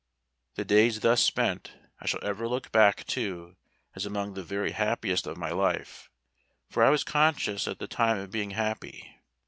The days thus spent, I shall ever look back to, as among the very happiest of my life; for I was conscious at the time of being happy.